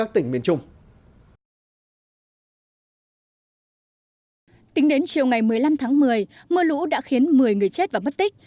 tính đến chiều ngày một mươi năm tháng một mươi mưa lũ đã khiến một mươi người chết và mất tích